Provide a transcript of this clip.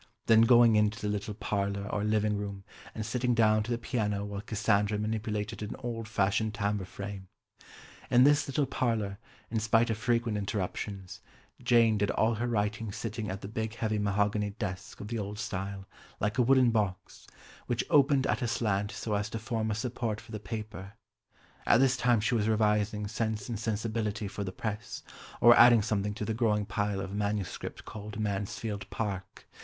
Then going in to the little parlour, or living room, and sitting down to the piano while Cassandra manipulated an old fashioned tambour frame. In this little parlour, in spite of frequent interruptions, Jane did all her writing sitting at the big heavy mahogany desk of the old style, like a wooden box, which opened at a slant so as to form a support for the paper; at this time she was revising Sense and Sensibility for the press, or adding something to the growing pile of MS. called Mansfield Park.